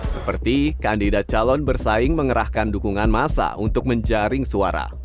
seperti kandidat calon bersaing mengerahkan dukungan masa untuk menjaring suara